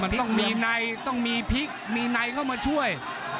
มันต้องมีในต้องมีพลิกมีในเข้ามาช่วย